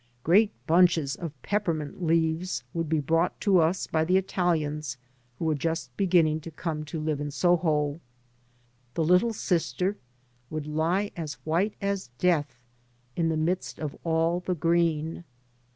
Great bunches of pepper mint leaves would be brought to us by the Italians who were just beginning to come to [S6] 3 by Google MY MOTHER AND 1 live in Soho. The little sister would lie as white as death in the midst of alt the green.